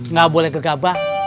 gak boleh gegabah